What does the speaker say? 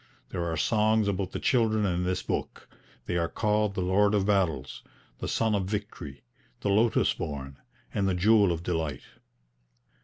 There are songs about the children in this book; they are called the Lord of Battles, the Sun of Victory, the Lotus born, and the Jewel of Delight.